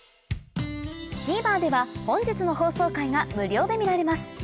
ＴＶｅｒでは本日の放送回が無料で見られます